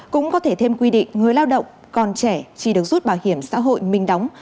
cũng có thể thêm quy định người lao động còn trẻ chỉ được rút bảo hiểm xã hội mình đóng